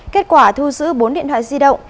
kết quả thu giữ bốn điện thoại di động